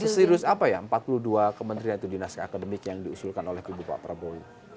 seserius apa ya empat puluh dua kementerian itu dinas akademik yang diusulkan oleh kubu pak prabowo